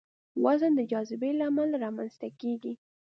وزن د جاذبې له امله رامنځته کېږي.